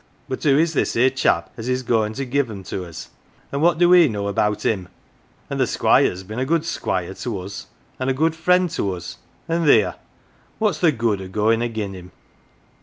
But who is this here chap as is goin' to give them to us, an' what do we know about him ? And the Squire's been a good squire to us, an' a good friend to us and theer ! What's the good o' goin' agin him